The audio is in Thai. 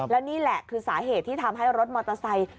แล้วนี่แหละคือสาเหตุที่ทำให้รถมอเตอร์ไซค์